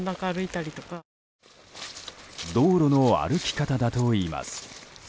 道路の歩き方だといいます。